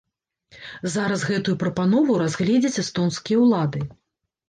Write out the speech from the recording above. Зараз гэтую прапанову разгледзяць эстонскія ўлады.